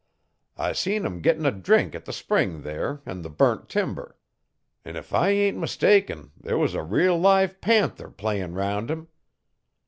I seen 'im gittin' a drink at the spring there 'n the burnt timber. An' if I ain't mistaken there was a real live panther playin' 'round 'im.